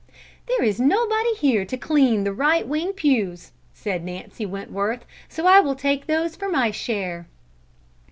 "There is nobody here to clean the right wing pews," said Nancy Wentworth, "so I will take those for my share."